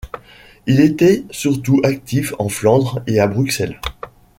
Il était surtout actif en Flandre et à Bruxelles.